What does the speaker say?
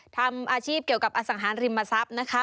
ทำอาชีพเกี่ยวกับอสังหาริมทรัพย์นะคะ